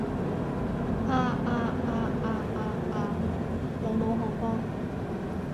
啊啊啊啊啊啊！老母好波！